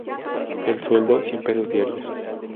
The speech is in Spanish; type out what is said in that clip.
El sueldo: cien pesos diarios.